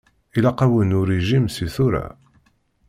Ilaq-awen urijim seg tura.